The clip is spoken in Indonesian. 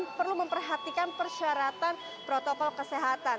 yang perlu memperhatikan persyaratan protokol kesehatan